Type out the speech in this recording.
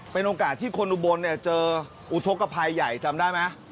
เป็นโอกาสที่คนอุบลเจออุทธกภัยใหญ่จำได้ไหม